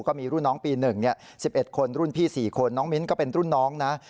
ก็มีรุ่นน้องปี๑๑คนรุ่นพี่๔คนน้องมิ้นก็เป็นรุ่นน้องนะ